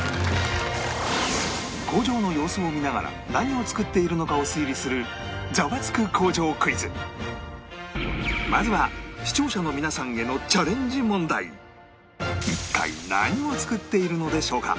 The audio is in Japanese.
工場の様子を見ながら何を作っているのかを推理するまずは視聴者の皆さんへの一体何を作っているのでしょうか？